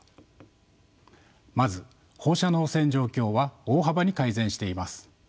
まず放射能汚染状況は大幅に改善しています。